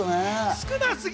少なすぎる。